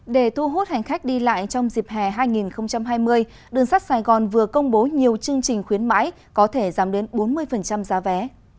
để thu hút hành khách đi lại trong dịp hè hai nghìn hai mươi đường sắt sài gòn vừa công bố nhiều chương trình khuyến mãi có thể giảm đến bốn mươi giá vé